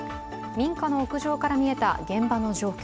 民家の屋上から見えた現場の状況。